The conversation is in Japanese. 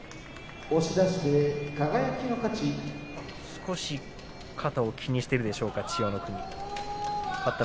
少し肩を気にしているでしょうか千代の国。